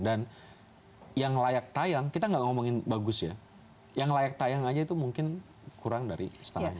dan yang layak tayang kita nggak ngomongin bagus ya yang layak tayang aja itu mungkin kurang dari setahun